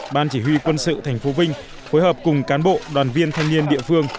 ban chỉ huy quân sự thành phố vinh phối hợp cùng cán bộ đoàn viên thanh niên địa phương